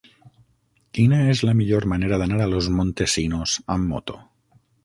Quina és la millor manera d'anar a Los Montesinos amb moto?